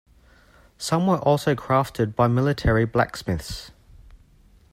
Some were also crafted by military blacksmiths.